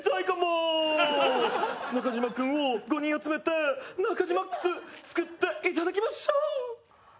中島君を５人集めてナカジマックス作って頂きましょう！